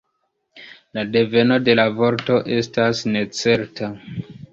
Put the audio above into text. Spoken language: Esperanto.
La deveno de la vorto estas necerta.